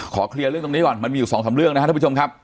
เคลียร์เรื่องตรงนี้ก่อนมันมีอยู่สองสามเรื่องนะครับท่านผู้ชมครับ